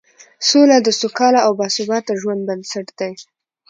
سوله د سوکاله او باثباته ژوند بنسټ دی